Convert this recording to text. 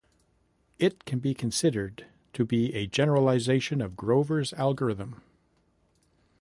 It can be considered to be a generalization of Grover's algorithm.